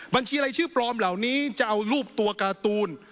บัญชีรายชื่อปลอมเหล่านี้จะเอารูปตัวการ์ตูน